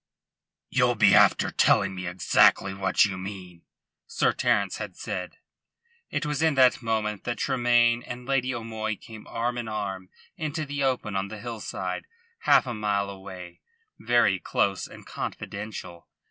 "You'll be after telling me exactly what you mean," Sir Terence had said. It was in that moment that Tremayne and Lady O'Moy came arm in arm into the open on the hill side, half a mile away very close and confidential.